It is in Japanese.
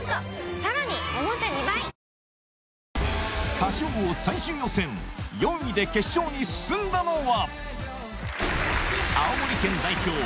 『歌唱王』最終予選４位で決勝に進んだのは